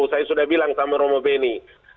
saya sudah bilang sama romo beni